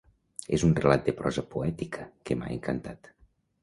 És un relat de prosa poètica que m'ha encantat.